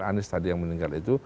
anies tadi yang meninggal itu